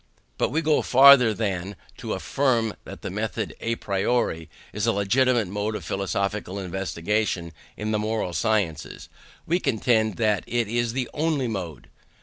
But we go farther than to affirm that the method à priori is a legitimate mode of philosophical investigation in the moral sciences: we contend that it is the only mode.